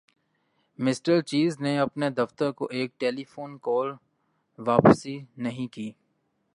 mister Cheese نے اپنے دفتر کو ایک ٹیلیفون کال واپس نہیں کی